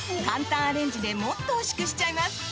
簡単アレンジでもっとおいしくしちゃいます！